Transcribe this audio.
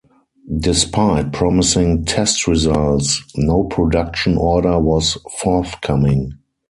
Despite promising test results no production order was forthcoming.